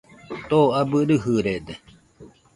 Too abɨ rɨjɨrede